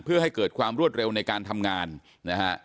เพื่อให้เกิดความรวดเร็วในการทำงานนะฮะ